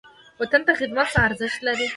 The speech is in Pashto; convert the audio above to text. وطن ته خدمت څه ارزښت لري؟